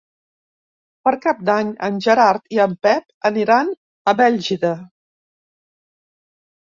Per Cap d'Any en Gerard i en Pep aniran a Bèlgida.